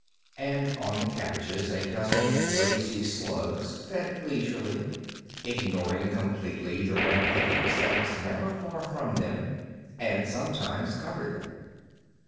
And on the cabbages a dozen lazy slugs fed leisurely, ignoring completely the red haze that was never far from them and sometimes covered them.